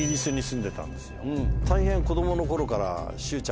大変。